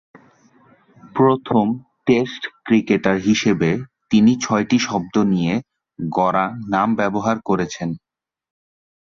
প্রথম test cricketer হিসেবে তিনি ছয়টি শব্দ নিয়ে গড়া নাম ব্যবহার করেছেন।